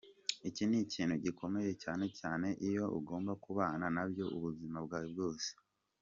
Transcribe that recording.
Iki ni ikintu gikomeye cyane cyane iyo ugomba kubana nabyo ubuzima bwawe bwose.